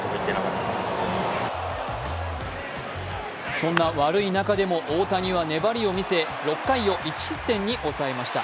そんな悪い中でも大谷は粘りを見せ６回を１失点に抑えました。